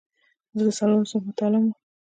زه د څلورم صنف متعلم وم.